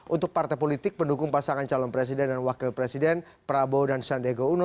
untuk partai politik pendukung pasangan calon presiden dan wakil presiden prabowo dan sandego uno